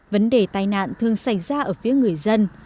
vấn đề tai nạn thường xảy ra ở phía người dân